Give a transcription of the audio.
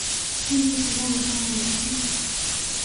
建筑材料以砖为多见。